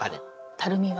たるみは？